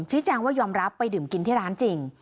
แจ้งว่ายอมรับไปดื่มกินที่ร้านจริง